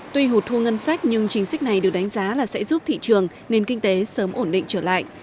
tuy hụt thu ngân sách nhưng chính sách này được đánh giá là sẽ giúp thị trường nền kinh tế sớm ổn định trở lại